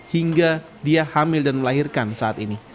hingga dia hamil dan melahirkan saat ini